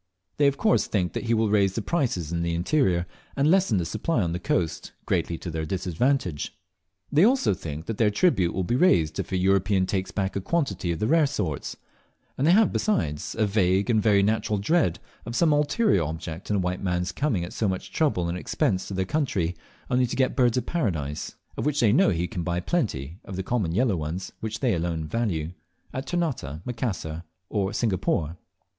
They of course think he will raise the prices in the interior, and lessen the supply on the coast, greatly to their disadvantage; they also think their tribute will be raised if a European takes back a quantity of the rare sorts; and they have besides a vague and very natural dread of some ulterior object in a white man's coming at so much trouble and expense to their country only to get Birds of Paradise, of which they know he can buy plenty (of the common yellow ones which alone they value) at Ternate, Macassar, or Singapore.